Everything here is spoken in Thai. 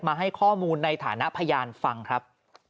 ให้ข้อมูลในฐานะพยานฟังครับ